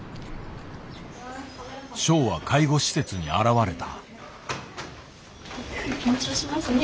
ショウは介護施設に現れた。